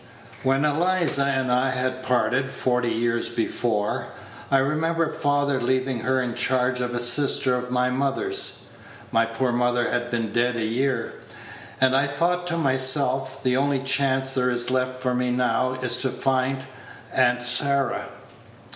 When Eliza and I had parted, forty years before, I remembered father leaving her in charge of a sister of my mother's (my poor mother had been dead a year), and I thought to myself, the only chance there is left for me now is to find Aunt Sarah."